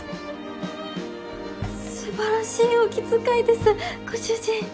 素晴らしいお気遣いですご主人！